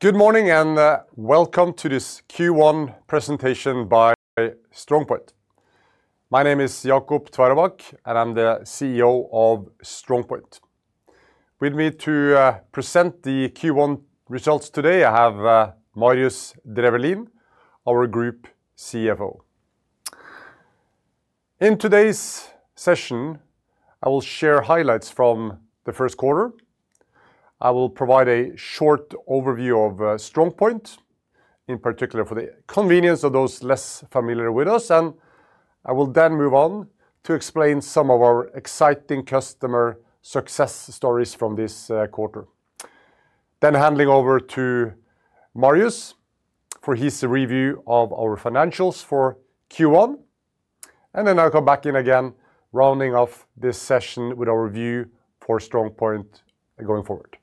Good morning, and welcome to this Q1 presentation by StrongPoint. My name is Jacob Tveraabak, and I'm the CEO of StrongPoint. With me to present the Q1 results today, I have Marius Drefvelin, our Group CFO. In today's session, I will share highlights from the first quarter. I will provide a short overview of StrongPoint, in particular for the convenience of those less familiar with us, and I will then move on to explain some of our exciting customer success stories from this quarter. Handling over to Marius for his review of our financials for Q1, and then I'll come back in again, rounding off this session with our view for StrongPoint going forward.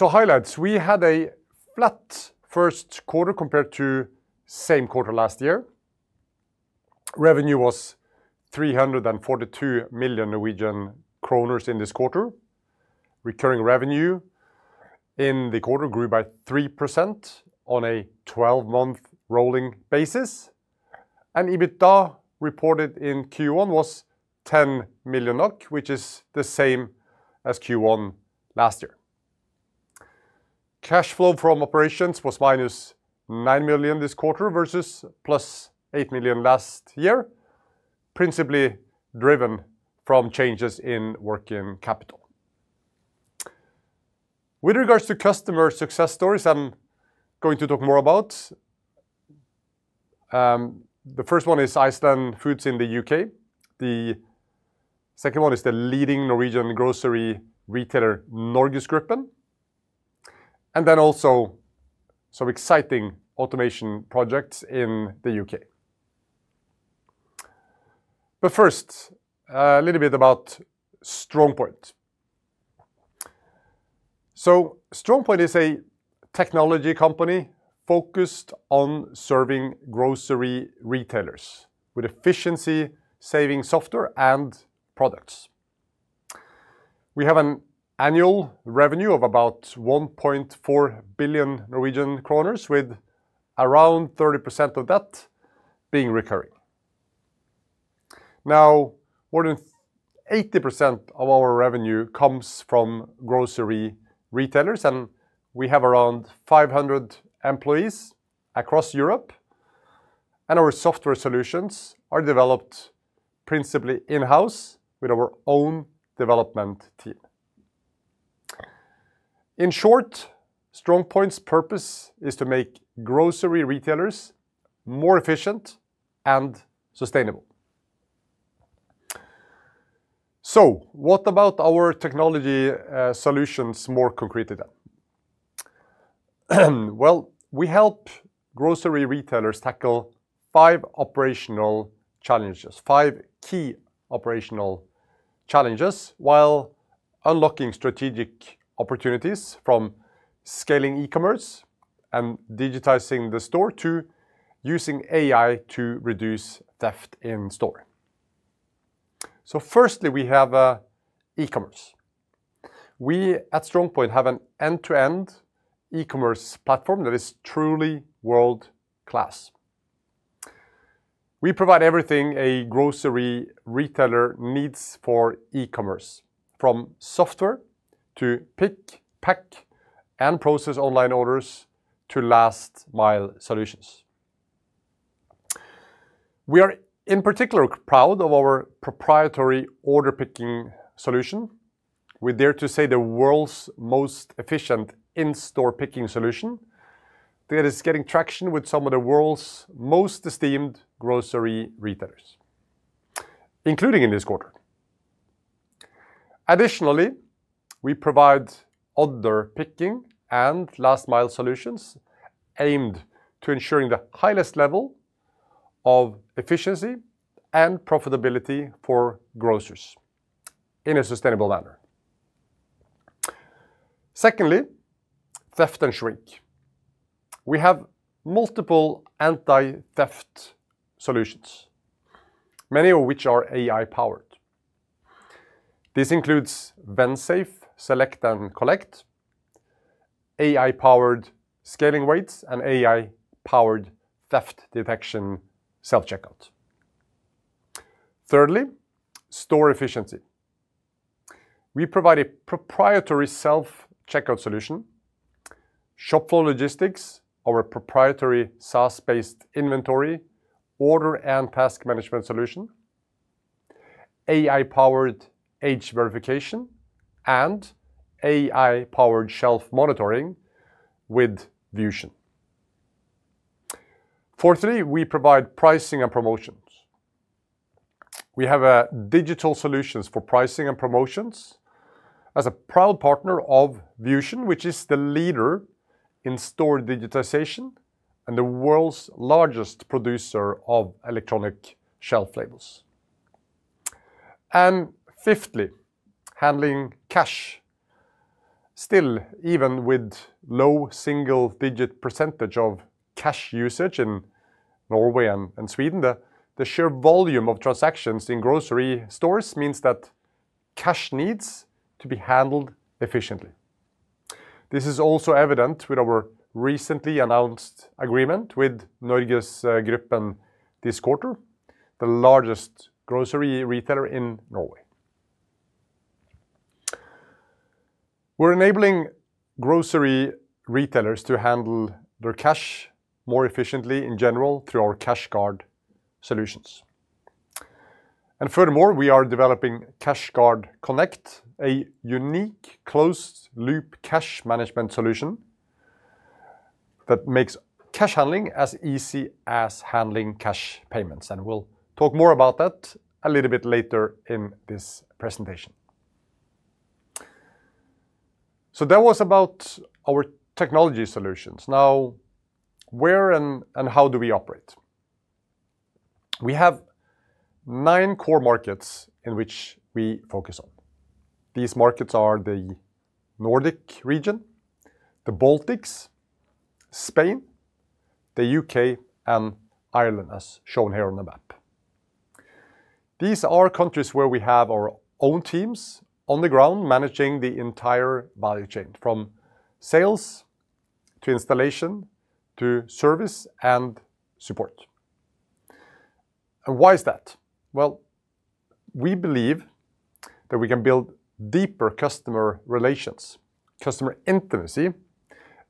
Highlights. We had a flat first quarter compared to same quarter last year. Revenue was 342 million Norwegian kroner in this quarter. Recurring revenue in the quarter grew by 3% on a 12-month rolling basis. EBITDA reported in Q1 was 10 million NOK, which is the same as Q1 last year. Cash flow from operations was -9 million this quarter versus +8 million last year, principally driven from changes in working capital. With regards to customer success stories, I'm going to talk more about. The first one is Iceland Foods in the U.K. The second one is the leading Norwegian grocery retailer, NorgesGruppen, also some exciting automation projects in the U.K. First, a little bit about StrongPoint. StrongPoint is a technology company focused on serving grocery retailers with efficiency, saving software and products. We have an annual revenue of about 1.4 billion Norwegian kroner, with around 30% of that being recurring. Now, more than 80% of our revenue comes from grocery retailers, and we have around 500 employees across Europe, and our software solutions are developed principally in-house with our own development team. In short, StrongPoint's purpose is to make grocery retailers more efficient and sustainable. What about our technology solutions more concretely then? Well, we help grocery retailers tackle five operational challenges, five key operational challenges, while unlocking strategic opportunities from scaling e-commerce and digitizing the store to using AI to reduce theft in store. Firstly, we have e-commerce. We, at StrongPoint, have an end-to-end e-commerce platform that is truly world-class. We provide everything a grocery retailer needs for e-commerce, from software to pick, pack, and process online orders to last-mile solutions. We are, in particular, proud of our proprietary order picking solution. We dare to say the world's most efficient in-store picking solution that is getting traction with some of the world's most esteemed grocery retailers, including in this quarter. Additionally, we provide order picking and last-mile solutions aimed to ensuring the highest level of efficiency and profitability for grocers in a sustainable manner. Secondly, theft and shrink. We have multiple anti-theft solutions, many of which are AI-powered. This includes Vensafe Select & Collect, AI-powered scaling rates, and AI-powered theft detection self-checkout. Thirdly, store efficiency. We provide a proprietary self-checkout solution, ShopFlow Logistics, our proprietary SaaS-based inventory, order, and task management solution, AI-powered age verification, and AI-powered shelf monitoring with Vusion. Fourthly, we provide pricing and promotions. We have digital solutions for pricing and promotions as a proud partner of Vusion, which is the leader in store digitization and the world's largest producer of electronic shelf labels. Fifthly, handling cash. Still, even with low single-digit percentage of cash usage in Norway and Sweden, the sheer volume of transactions in grocery stores means that cash needs to be handled efficiently. This is also evident with our recently announced agreement with NorgesGruppen this quarter, the largest grocery retailer in Norway. We're enabling grocery retailers to handle their cash more efficiently in general through our CashGuard solutions. Furthermore, we are developing CashGuard Connect, a unique closed-loop cash management solution that makes cash handling as easy as handling cash payments. We'll talk more about that a little bit later in this presentation. That was about our technology solutions. Now, where and how do we operate? We have nine core markets in which we focus on. These markets are the Nordic region, the Baltics, Spain, the U.K., and Ireland, as shown here on the map. These are countries where we have our own teams on the ground managing the entire value chain, from sales to installation to service and support. Why is that? Well, we believe that we can build deeper customer relations, customer intimacy,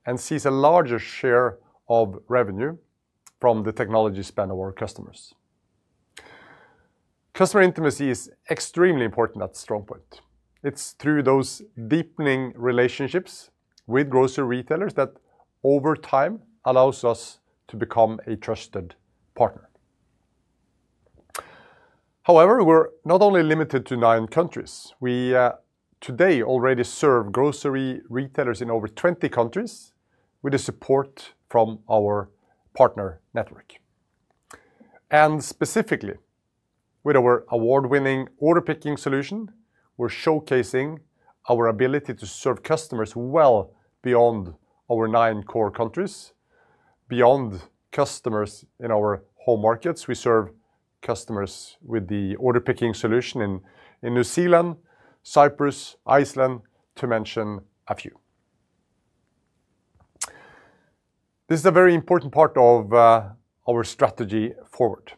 and seize a larger share of revenue from the technology span of our customers. Customer intimacy is extremely important at StrongPoint. It's through those deepening relationships with grocery retailers that, over time, allows us to become a trusted partner. However, we're not only limited to nine countries. We today already serve grocery retailers in over 20 countries with the support from our partner network. Specifically, with our award-winning order picking solution, we're showcasing our ability to serve customers well beyond our nine core countries, beyond customers in our home markets. We serve customers with the order picking solution in New Zealand, Cyprus, Iceland, to mention a few. This is a very important part of our strategy forward,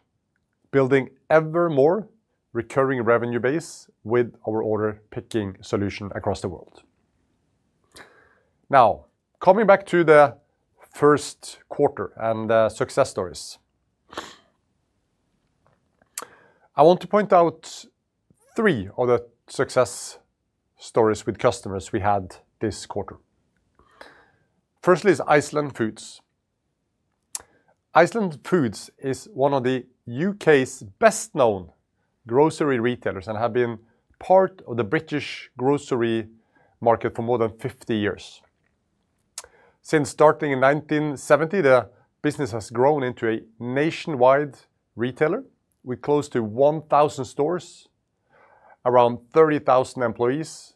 building ever more recurring revenue base with our order picking solution across the world. Now, coming back to the first quarter and success stories. I want to point out three of the success stories with customers we had this quarter. Firstly is Iceland Foods. Iceland Foods is one of the U.K.'s best-known grocery retailers and have been part of the British grocery market for more than 50 years. Since starting in 1970, the business has grown into a nationwide retailer with close to 1,000 stores, around 30,000 employees,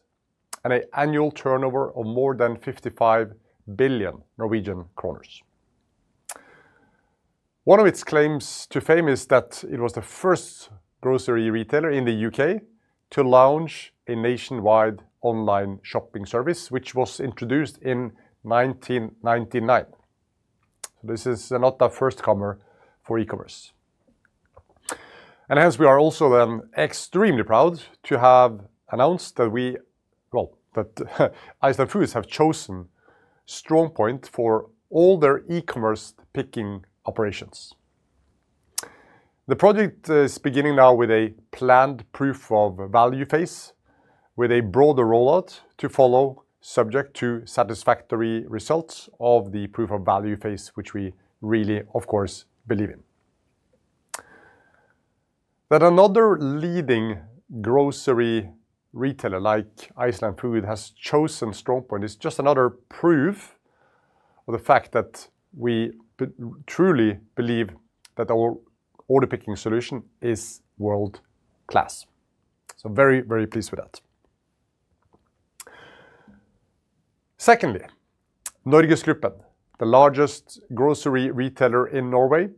and a annual turnover of more than 55 billion Norwegian kroner. One of its claims to fame is that it was the first grocery retailer in the U.K. to launch a nationwide online shopping service which was introduced in 1999. This is not a first-comer for e-commerce. Hence, we are also extremely proud to have announced that Iceland Foods have chosen StrongPoint for all their e-commerce picking operations. The project is beginning now with a planned proof of value phase, with a broader rollout to follow, subject to satisfactory results of the proof of value phase, which we really, of course, believe in. That another leading grocery retailer like Iceland Foods has chosen StrongPoint is just another proof of the fact that we truly believe that our order picking solution is world-class. Very, very pleased with that. Secondly, NorgesGruppen, the largest grocery retailer in Norway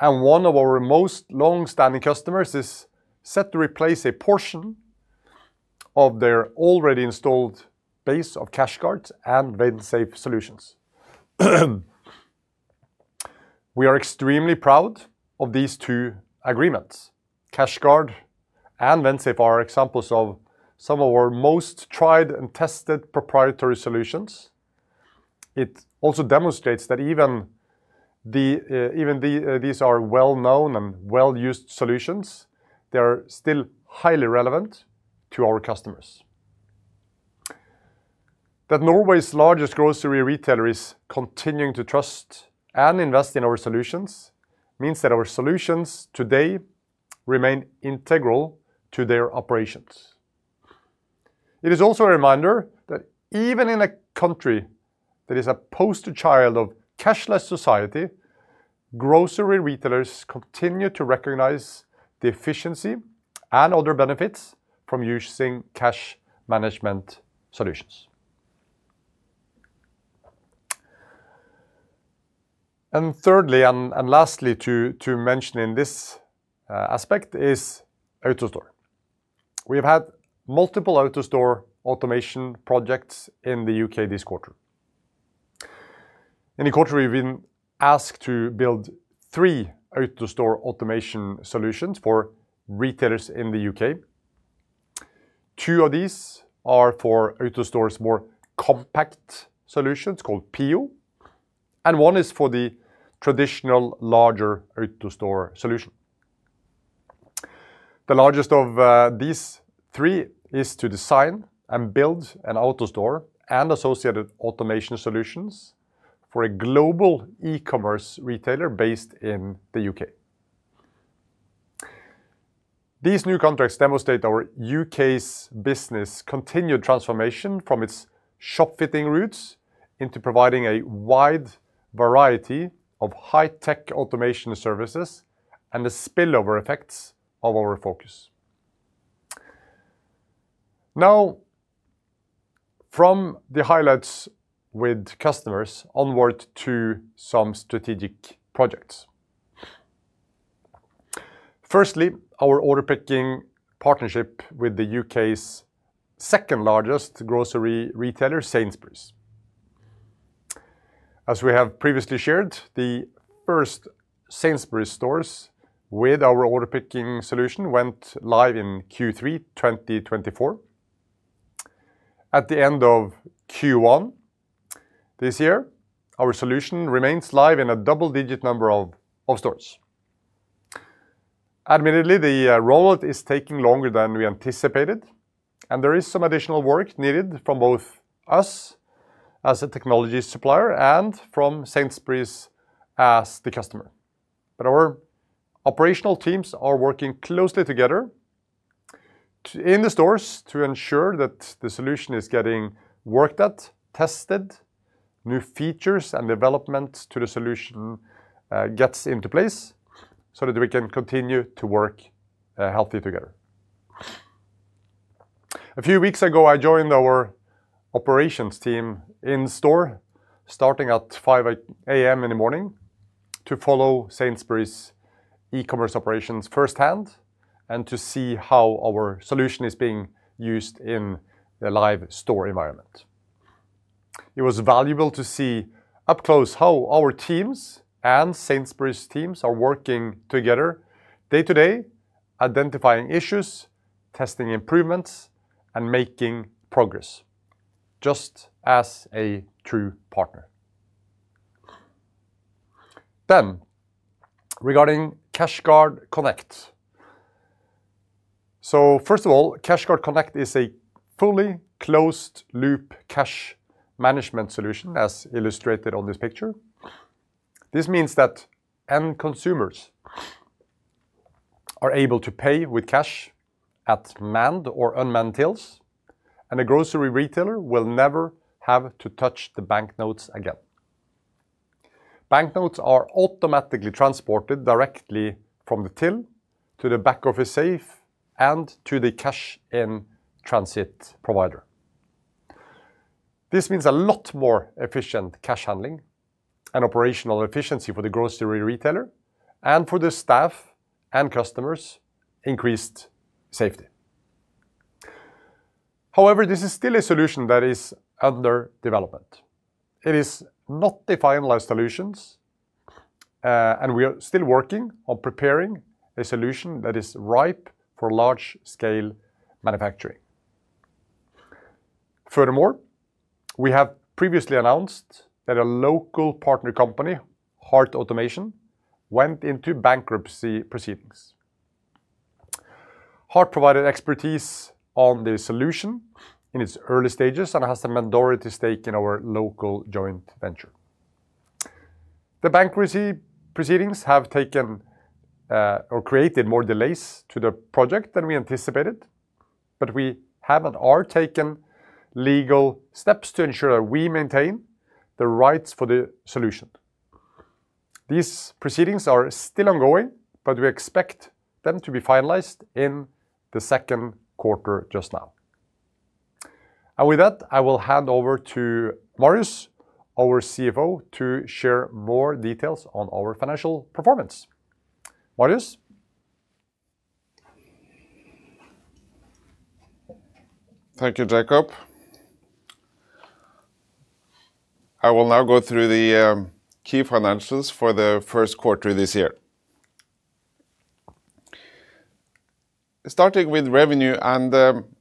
and one of our most long-standing customers, is set to replace a portion of their already installed base of CashGuards and Vensafe solutions. We are extremely proud of these two agreements. CashGuard and Vensafe are examples of some of our most tried and tested proprietary solutions. It also demonstrates that even the, these are well-known and well-used solutions, they are still highly relevant to our customers. That Norway's largest grocery retailer is continuing to trust and invest in our solutions means that our solutions today remain integral to their operations. It is also a reminder that even in a country that is a poster child of cashless society, grocery retailers continue to recognize the efficiency and other benefits from using cash management solutions. Thirdly and lastly to mention in this aspect is AutoStore. We've had multiple AutoStore automation projects in the U.K. this quarter. In the quarter, we've been asked to build three AutoStore automation solutions for retailers in the U.K. Two of these are for AutoStore's more compact solutions called Pio, and one is for the traditional larger AutoStore solution. The largest of these three is to design and build an AutoStore and associated automation solutions for a global e-commerce retailer based in the U.K. These new contracts demonstrate our U.K.'s business continued transformation from its shop fitting routes into providing a wide variety of high-tech automation services and the spillover effects of our focus. Now, from the highlights with customers onward to some strategic projects. Firstly, our order picking partnership with the U.K.'s second-largest grocery retailer, Sainsbury's. As we have previously shared, the first Sainsbury's stores with our order picking solution went live in Q3 2024. At the end of Q1 this year, our solution remains live in a double-digit number of stores. Admittedly, the rollout is taking longer than we anticipated, and there is some additional work needed from both us as a technology supplier and from Sainsbury's as the customer. Our operational teams are working closely together in the stores to ensure that the solution is getting worked at, tested, new features and developments to the solution, gets into place so that we can continue to work healthy together. A few weeks ago, I joined our operations team in store, starting at 5:00 A.M. in the morning to follow Sainsbury's e-commerce operations firsthand and to see how our solution is being used in the live store environment. It was valuable to see up close how our teams and Sainsbury's teams are working together day-to-day, identifying issues, testing improvements, and making progress, just as a true partner. Regarding CashGuard Connect. First of all, CashGuard Connect is a fully closed-loop cash management solution, as illustrated on this picture. This means that end consumers are able to pay with cash at manned or unmanned tills, and a grocery retailer will never have to touch the banknotes again. Banknotes are automatically transported directly from the till to the back of a safe and to the cash in transit provider. This means a lot more efficient cash handling and operational efficiency for the grocery retailer and for the staff and customers increased safety. However, this is still a solution that is under development. It is not the finalized solutions, and we are still working on preparing a solution that is ripe for large-scale manufacturing. Furthermore, we have previously announced that a local partner company, Hart Automation, went into bankruptcy proceedings. Hart provided expertise on the solution in its early stages and has the majority stake in our local joint venture. The bankruptcy proceedings have taken or created more delays to the project than we anticipated, but we have and are taking legal steps to ensure that we maintain the rights for the solution. These proceedings are still ongoing, but we expect them to be finalized in the second quarter just now. With that, I will hand over to Marius, our CFO, to share more details on our financial performance. Marius? Thank you, Jacob. I will now go through the key financials for the first quarter this year. Starting with revenue and,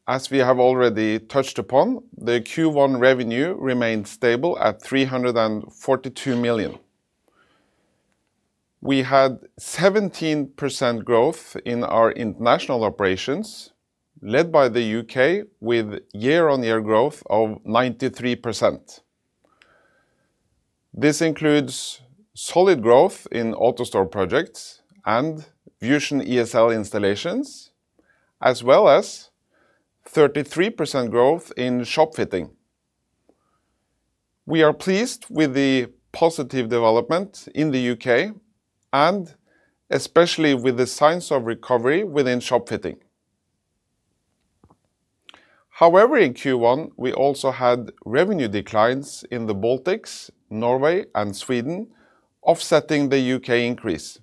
as we have already touched upon, the Q1 revenue remained stable at 342 million. We had 17% growth in our international operations, led by the U.K. with year-on-year growth of 93%. This includes solid growth in AutoStore projects and Vusion ESL installations, as well as 33% growth in shop fitting. We are pleased with the positive development in the U.K. and especially with the signs of recovery within shop fitting. However, in Q1, we also had revenue declines in the Baltics, Norway, and Sweden, offsetting the U.K. increase.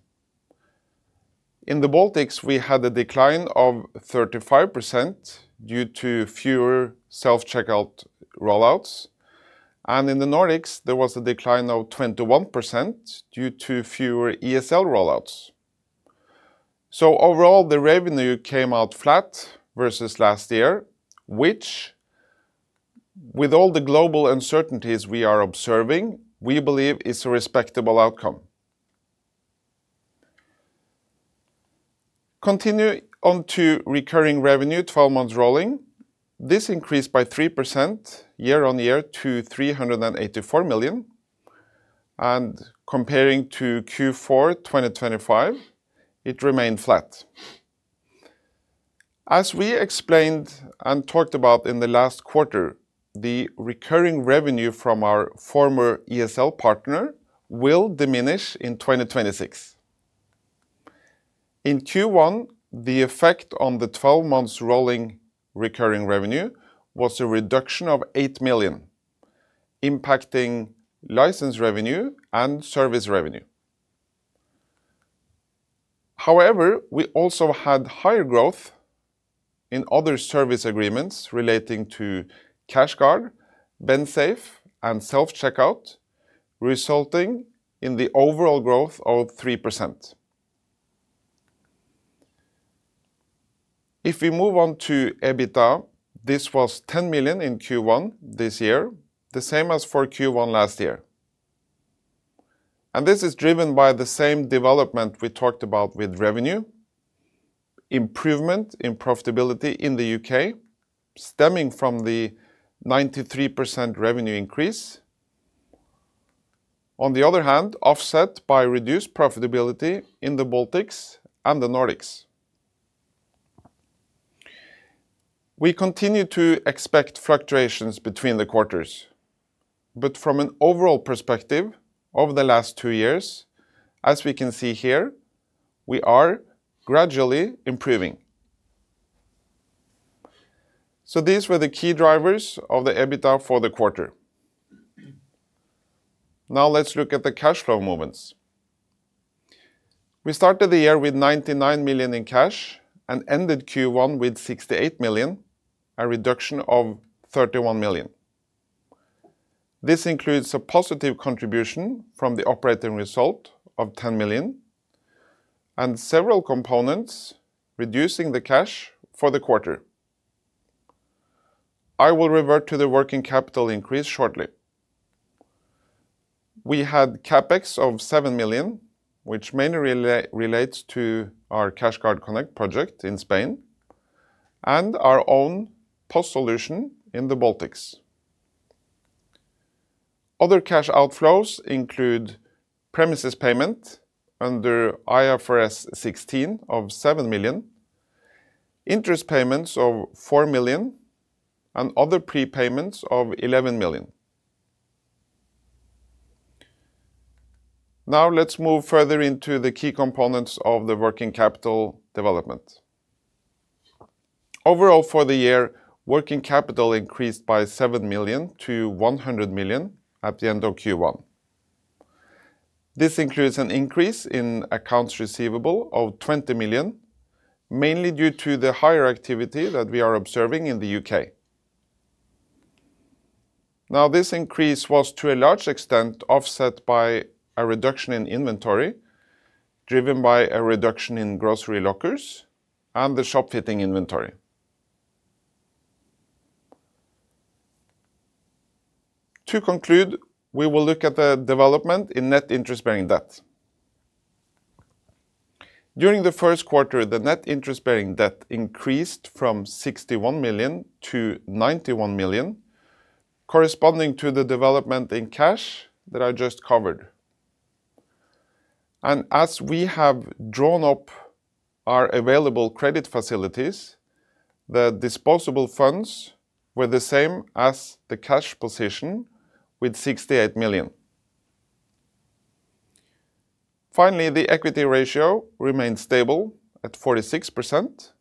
In the Baltics, we had a decline of 35% due to fewer self-checkout rollouts, and in the Nordics, there was a decline of 21% due to fewer ESL rollouts. Overall, the revenue came out flat versus last year, which, with all the global uncertainties we are observing, we believe is a respectable outcome. Continue on to recurring revenue 12 months rolling. This increased by 3% year-on-year to 384 million, and comparing to Q4 2025, it remained flat. As we explained and talked about in the last quarter, the recurring revenue from our former ESL partner will diminish in 2026. In Q1, the effect on the 12 months rolling recurring revenue was a reduction of 8 million, impacting license revenue and service revenue. However, we also had higher growth in other service agreements relating to CashGuard, Vensafe, and self-checkout, resulting in the overall growth of 3%. If we move on to EBITDA, this was 10 million in Q1 this year, the same as for Q1 last year. This is driven by the same development we talked about with revenue, improvement in profitability in the U.K., stemming from the 93% revenue increase. On the other hand, offset by reduced profitability in the Baltics and the Nordics. We continue to expect fluctuations between the quarters. From an overall perspective, over the last two years, as we can see here, we are gradually improving. These were the key drivers of the EBITDA for the quarter. Now let's look at the cash flow movements. We started the year with 99 million in cash and ended Q1 with 68 million, a reduction of 31 million. This includes a positive contribution from the operating result of 10 million and several components, reducing the cash for the quarter. I will revert to the working capital increase shortly. We had CapEx of 7 million, which mainly relates to our CashGuard Connect project in Spain and our own POS solution in the Baltics. Other cash outflows include premises payment under IFRS 16 of 7 million, interest payments of 4 million, and other prepayments of 11 million. Now let's move further into the key components of the working capital development. Overall for the year, working capital increased by 7 million to 100 million at the end of Q1. This includes an increase in accounts receivable of 20 million, mainly due to the higher activity that we are observing in the U.K. Now, this increase was to a large extent offset by a reduction in inventory, driven by a reduction in grocery lockers and the shop fitting inventory. To conclude, we will look at the development in net interest-bearing debt. During the first quarter, the net interest-bearing debt increased from 61 million to 91 million, corresponding to the development in cash that I just covered. As we have drawn up our available credit facilities, the disposable funds were the same as the cash position with 68 million. Finally, the equity ratio remained stable at 46%,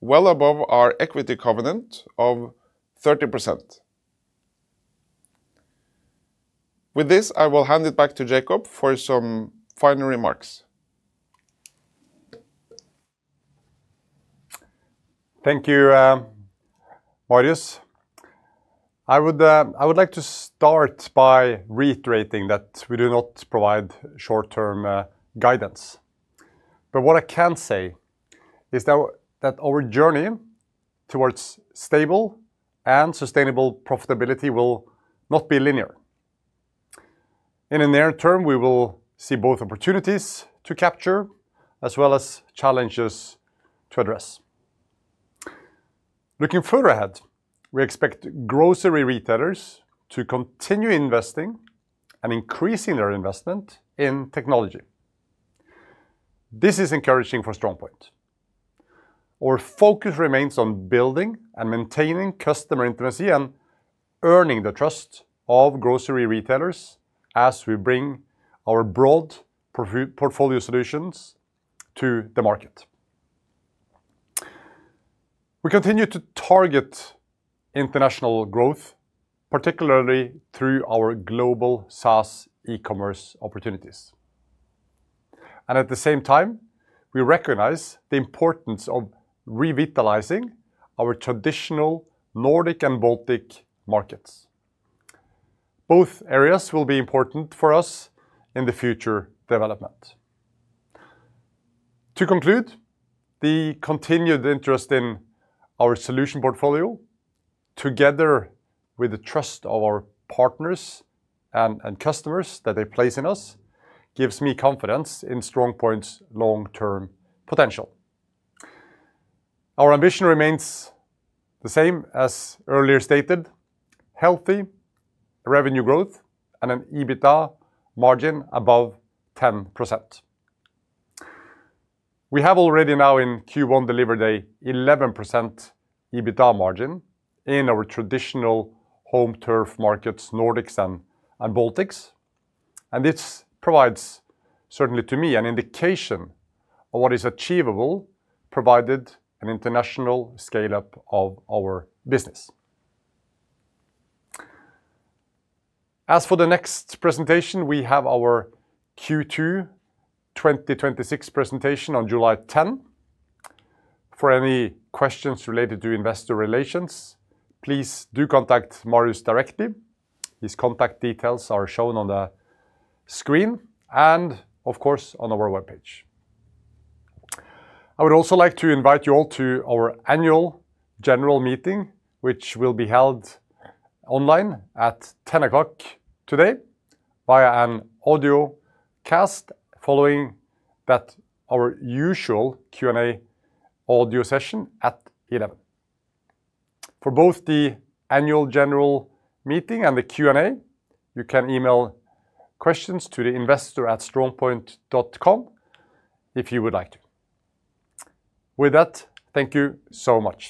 well above our equity covenant of 30%. With this, I will hand it back to Jacob for some final remarks. Thank you, Marius. I would like to start by reiterating that we do not provide short-term guidance. What I can say is that our journey towards stable and sustainable profitability will not be linear. In the near-term, we will see both opportunities to capture as well as challenges to address. Looking further ahead, we expect grocery retailers to continue investing and increasing their investment in technology. This is encouraging for StrongPoint. Our focus remains on building and maintaining customer intimacy and Earning the trust of grocery retailers as we bring our broad portfolio solutions to the market. We continue to target international growth, particularly through our global SaaS e-commerce opportunities. At the same time, we recognize the importance of revitalizing our traditional Nordic and Baltic markets. Both areas will be important for us in the future development. To conclude, the continued interest in our solution portfolio, together with the trust of our partners and customers that they place in us, gives me confidence in StrongPoint's long-term potential. Our ambition remains the same as earlier stated, healthy revenue growth and an EBITDA margin above 10%. We have already now in Q1 delivered a 11% EBITDA margin in our traditional home turf markets, Nordics and Baltics, this provides certainly to me an indication of what is achievable, provided an international scale-up of our business. As for the next presentation, we have our Q2 2026 presentation on July 10. For any questions related to investor relations, please do contact Marius directly. His contact details are shown on the screen and, of course, on our webpage. I would also like to invite you all to our annual general meeting, which will be held online at 10:00 A.M. today via an audio cast following that our usual Q&A audio session at 11:00 A.M. For both the annual general meeting and the Q&A, you can email questions to the investor@strongpoint.com if you would like to. With that, thank you so much.